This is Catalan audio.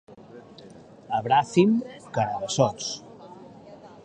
A Bràfim, carabassots.